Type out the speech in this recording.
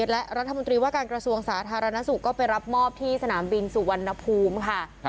และรัฐมนตรีว่าการกระทรวงสาธารณสุขก็ไปรับมอบที่สนามบินสุวรรณภูมิค่ะ